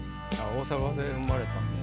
『大阪で生まれた女』。